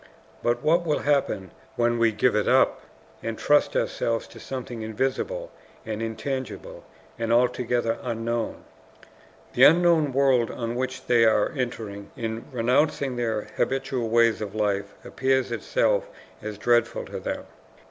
But what will happen when we give it up and trust ourselves to something invisible and intangible, and altogether unknown?" The unknown world on which they are entering in renouncing their habitual ways of life appears itself as dreadful to them.